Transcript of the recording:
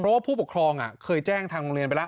เพราะว่าผู้ปกครองเคยแจ้งทางโรงเรียนไปแล้ว